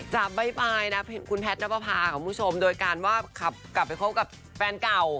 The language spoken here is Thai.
จับบ๊ายบายนะคุณแพทย์น้ำปลาพาของผู้ชมโดยการว่ากลับไปคบกับแฟนเก่า